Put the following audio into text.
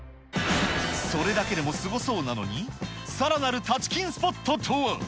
それだけでもすごそうなのに、さらなるタチキンスポットとは。